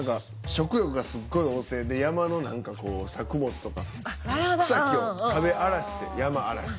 食欲がすっごい旺盛で山のなんか作物とか草木を食べ荒らして山荒らし。